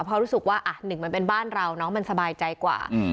เขารู้สึกว่า๑มันเป็นบ้านเรามันสบายใจกว่า